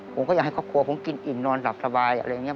ผมก็อยากให้ครอบครัวผมกินอิ่มนอนหลับสบายอะไรอย่างนี้